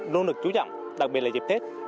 luôn được chú trọng đặc biệt là dịp tết